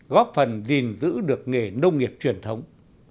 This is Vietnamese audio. góp phần gìn giữ được nghề nông nghiệp truyền thống